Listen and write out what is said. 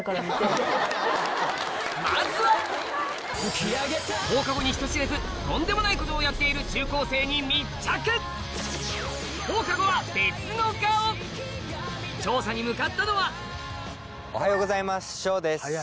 まずは放課後に人知れずとんでもないことをやっている中高生に密着調査に向かったのはおはようございますしょうです。